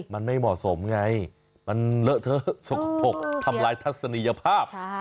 มันไม่เหมาะสมไงมันเลอะเทอะสกปรกทำลายทัศนียภาพ